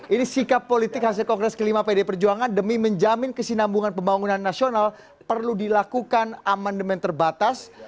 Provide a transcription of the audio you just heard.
ini sikap politik hasil kongres kelima pd perjuangan demi menjamin kesinambungan pembangunan nasional perlu dilakukan amandemen terbatas